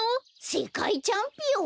せかいチャンピオン？